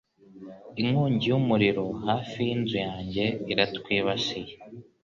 Inkongi y'umuriro hafi y'inzu yanjye iratwibasiye